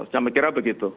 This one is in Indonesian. saya kira begitu